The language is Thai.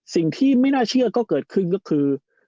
สิ่งที่ไม่น่าเชื่อก็เกิดขึ้นก็คือ